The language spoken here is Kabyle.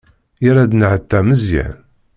Yerra-d nnehta Meẓyan.